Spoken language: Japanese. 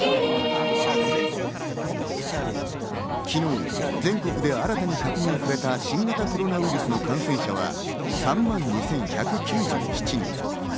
昨日、全国で新たに確認された新型コロナウイルスの感染者は３万２１９７人。